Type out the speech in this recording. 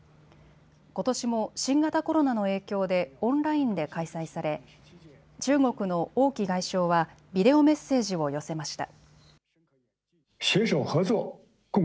ことしも新型コロナの影響でオンラインで開催され中国の王毅外相はビデオメッセージを寄せました。